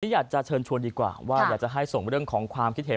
อยากจะเชิญชวนดีกว่าว่าอยากจะให้ส่งเรื่องของความคิดเห็น